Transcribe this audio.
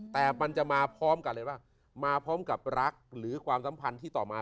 แต่มันจะมาพร้อมกับรักหรือความสัมพันธ์ที่ต่อมา